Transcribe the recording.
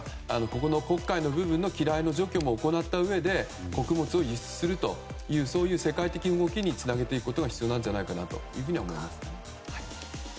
ここの黒海の機雷の除去も行ったうえで穀物を輸出するという世界的な動きにつなげていくことが必要なんじゃないかなと思います。